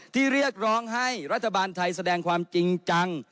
เรียกร้องให้รัฐบาลไทยแสดงความจริงจัง